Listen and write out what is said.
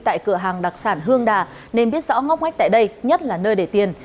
tại cửa hàng đặc sản hương đà nên biết rõ ngóc ngách tại đây nhất là nơi để tiền